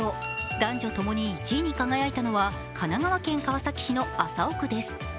男女ともに１位に輝いたのは神奈川県川崎市の麻生区です。